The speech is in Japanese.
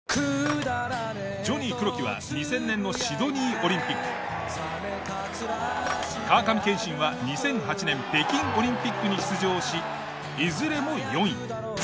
ジョニー黒木は２０００年のシドニーオリンピック川上憲伸は２００８年北京オリンピックに出場しいずれも４位。